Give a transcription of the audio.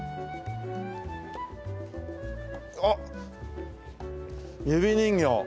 あっ「指人形」。